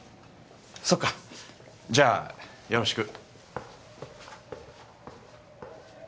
そうかじゃよろしく